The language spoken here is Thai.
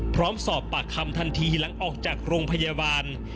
พร้อมสอบปากคำทันทีหลังออกจากโรงพยาบาล